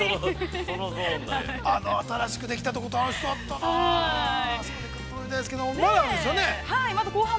◆あと新しくできたとこ、楽しかったな。